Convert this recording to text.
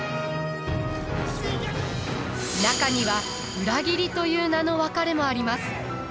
中には裏切りという名の別れもあります。